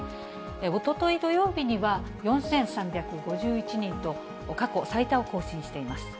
おととい土曜日には４３５１人と、過去最多を更新しています。